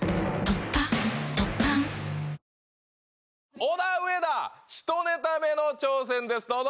オダウエダ１ネタ目の挑戦ですどうぞ！